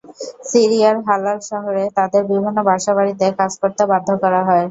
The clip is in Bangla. সিরিয়ার হালাল শহরে তাঁদের বিভিন্ন বাসাবাড়িতে কাজ করতে বাধ্য করা হয়।